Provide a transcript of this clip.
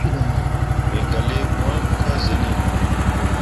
Me gah lii hunni ka zuni.